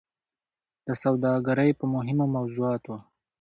د سوداګرۍ په مهمو موضوعاتو